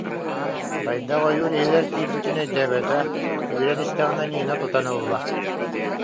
Хайдах ойуур иһигэр киирбитин өйдөөбөтө, сүүрэн истэҕинэ Нина тутан ылла